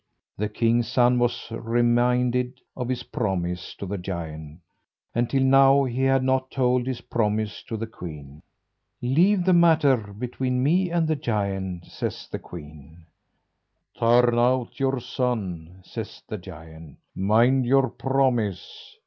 The king's son was reminded of his promise to the giant, and till now he had not told his promise to the queen. "Leave the matter between me and the giant," says the queen. "Turn out your son," says the giant; "mind your promise."